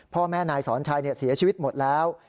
พ่อแม่นายสอนชัยเสียชีวิตหมดแล้ว